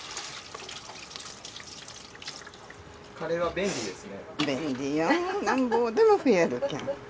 カレーは便利ですね。